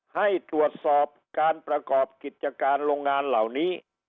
ให้ตรวจสอบการประกอบกิจการโรงงานเหล่านี้